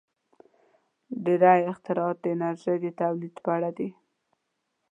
• ډېری اختراعات د انرژۍ د تولید په اړه دي.